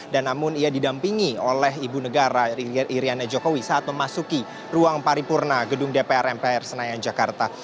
dan namun ia didampingi oleh ibu negara iryana jokowi saat memasuki ruang paripurna gedung dpr mpr senayan jakarta